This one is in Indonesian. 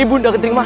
ibu nakenting mani